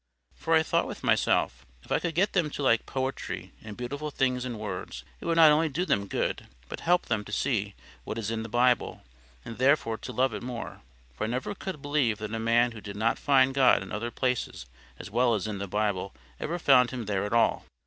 For I thought with myself, if I could get them to like poetry and beautiful things in words, it would not only do them good, but help them to see what is in the Bible, and therefore to love it more. For I never could believe that a man who did not find God in other places as well as in the Bible ever found Him there at all.